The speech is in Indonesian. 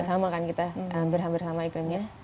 sama kan kita hampir hampir sama iklimnya